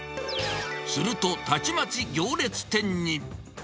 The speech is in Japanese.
すると、たちまち行列店に。